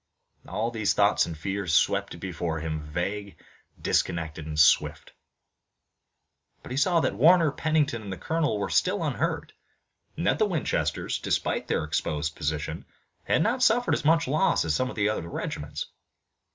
All these thoughts and fears swept before him, vague, disconnected, and swift. But he saw that Warner, Pennington and the colonel were still unhurt, and that the Winchesters, despite their exposed position, had not suffered as much loss as some of the other regiments.